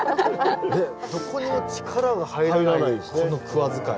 どこにも力が入らないこのクワ使い。